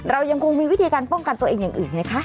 เรายังคงมีวิธีการป้องกันตัวเองอย่างอื่นไงคะ